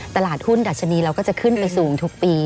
ตลาดหุ้นดัชนีเราก็จะขึ้นไปสูงทุกปี